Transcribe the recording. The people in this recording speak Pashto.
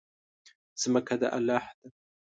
ځمکه د الله ده.